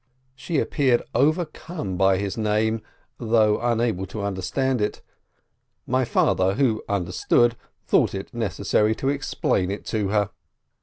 She appeared overcome by his name, although unable to understand it. My father, who understood, thought it necessary to explain it to her.